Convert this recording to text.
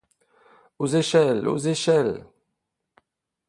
Aux échelles! aux échelles !